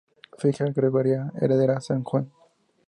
Su hija Gregoria heredará San Juan.